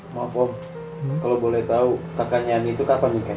maaf om kalau boleh tau kakaknya ani itu kapan nikahnya